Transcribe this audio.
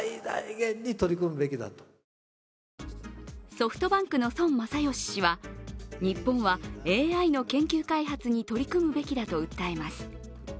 ソフトバンクの孫正義氏は日本はＡＩの研究開発に取り組むべきだと訴えます。